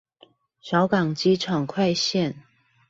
小港機場快線